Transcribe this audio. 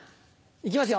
行きますよ。